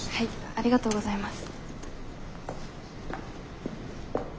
ありがとうございます。